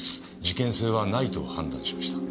事件性はないと判断しました。